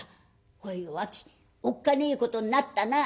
おいお秋おっかねえことになったな」。